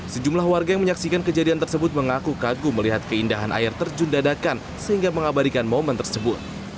sejumlah warga yang menyaksikan kejadian tersebut mengaku kagum melihat keindahan air terjun dadakan sehingga mengabadikan momen tersebut